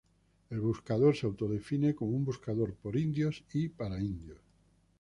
El buscador se autodefine como un buscador por indios y para indios.